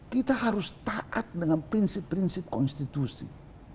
kita harus taat dengan prinsip prinsip konstitusi